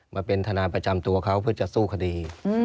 มาเป็นทนายประจำตัวเขาเพื่อจะสู้คดี